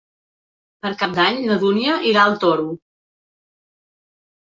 Per Cap d'Any na Dúnia irà al Toro.